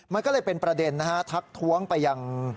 มันก็เลยเป็นประเด็นนะฮะทักท้วงไปยัง